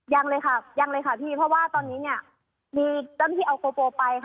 ยังเลยครับเพราะว่าตอนนี้ยังมีเจ้าหน้าที่เอาโกไป